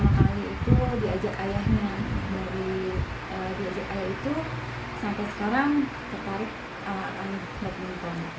dari diajak ayah itu sampai sekarang ketarik badminton